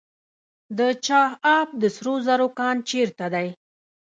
د چاه اب د سرو زرو کان چیرته دی؟